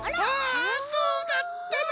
あそうだったのか。